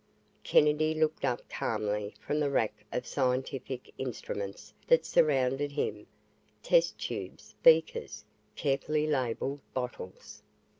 Kennedy looked up calmly from the rack of scientific instruments that surrounded him, test tubes, beakers, carefully labelled bottles.